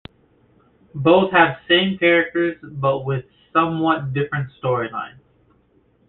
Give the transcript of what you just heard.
Both have same characters, but with somewhat different storylines.